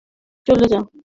চলে যা!